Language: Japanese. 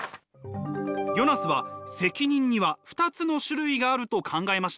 ヨナスは責任には２つの種類があると考えました。